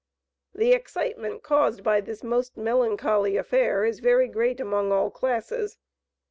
The excitement caused by this most melancholy affair is very great among all classes.